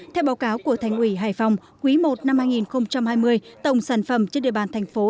theo báo cáo của thành ủy hải phòng quý i năm hai nghìn hai mươi tổng sản phẩm trên địa bàn thành phố